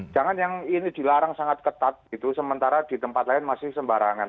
jangan yang ini dilarang sangat ketat gitu sementara di tempat lain masih sembarangan